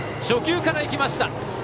初球からいきました。